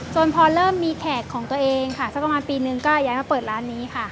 พอเริ่มมีแขกของตัวเองค่ะสักประมาณปีนึงก็ย้ายมาเปิดร้านนี้ค่ะ